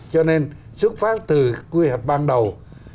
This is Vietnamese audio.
cho nên xuất phát từ quy hoạch ban đầu